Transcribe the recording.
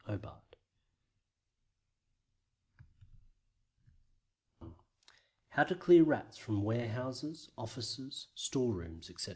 PART I. HOW TO CLEAR RATS FROM WAREHOUSES, OFFICES, STOREROOMS, ETC.